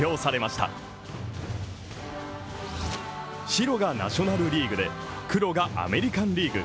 白がナショナル・リーグで黒がアメリカン・リーグ。